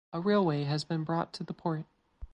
A railway has been brought to the port.